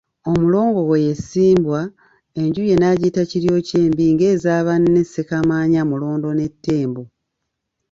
Omulongo we ye Ssimbwa, enju ye n'agiyita Kiryokyembi ng'eza banne Ssekamaanya, Mulondo ne Ttembo.